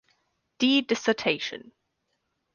D dissertation.